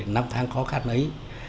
năm tháng khó khăn ấy